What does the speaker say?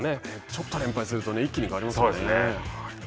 ちょっと連敗すると一気に変わりますからね。